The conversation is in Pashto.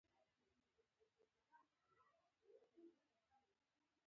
وژنه د سترګو خوب ختموي